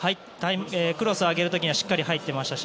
クロスを上げる時にはしっかり入っていましたし。